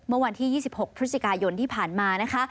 เมื่อวันที่๒๖พฤศจิกายนที่ผ่านมานะคะ